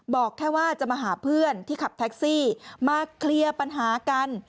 บอกแค่ว่าจะมาหาเพื่อนที่ขับแท็กซี่มาเคลียร์ปัญหากัน